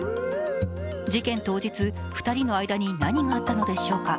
事件当日、２人の間に何があったのでしょうか。